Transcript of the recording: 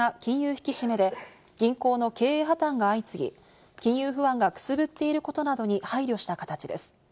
引き締めで銀行の経営破綻が相次ぎ、金融不安がくすぶっていることなどに配慮した形です。